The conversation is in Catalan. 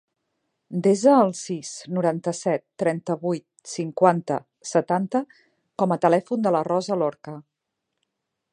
Desa el sis, noranta-set, trenta-vuit, cinquanta, setanta com a telèfon de la Rosa Lorca.